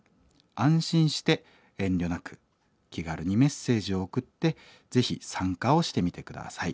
安心して遠慮なく気軽にメッセージを送ってぜひ参加をしてみて下さい。